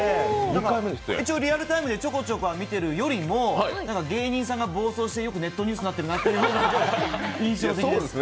一応リアルタイムでちょこちょこは見てるよりも、芸人さんが暴走してよくネットニュースになってるなっていう印象です。